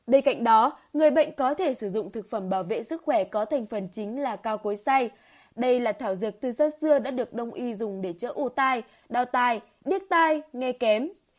đây cạnh đó người bệnh có thể sử dụng thực phẩm bảo vệ sức khỏe có thành phần chính là cao cối say đây là thảo dược từ xa xưa đã được đồng ý dùng để chữa ủ tai đau tai điếc tai nghe kém